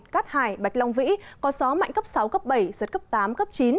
cát hải bạch long vĩ có gió mạnh cấp sáu cấp bảy giật cấp tám cấp chín